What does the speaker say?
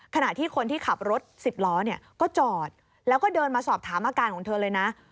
ขณะที่คนที่ขับรถ๑๐ล้อเนี่ยก็จอดแล้วก็เดินมาสอบถามอาการของเธอเลยนะ